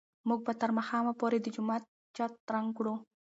موږ به تر ماښامه پورې د جومات چت رنګ کړو.